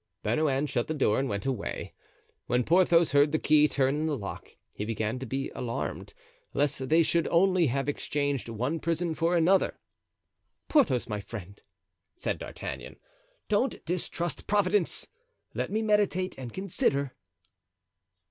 Bernouin shut the door and went away. When Porthos heard the key turn in the lock he began to be alarmed, lest they should only have exchanged one prison for another. "Porthos, my friend," said D'Artagnan, "don't distrust Providence! Let me meditate and consider."